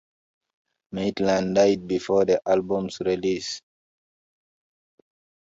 Mydland died before the album's release.